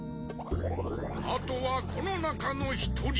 あとはこのなかのひとり。